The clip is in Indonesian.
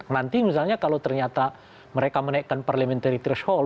nanti misalnya kalau ternyata mereka menaikkan parliamentary threshold